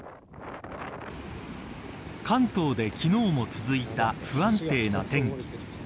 関東で昨日も続いた不安定な天気。